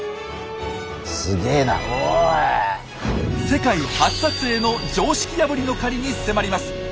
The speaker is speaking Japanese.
世界初撮影の常識破りの狩りに迫ります。